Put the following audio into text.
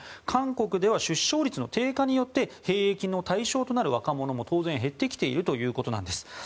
韓国では出生率の低下によって兵役の対象となる若者も当然減ってきているということです。